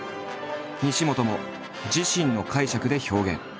西本も自身の解釈で表現。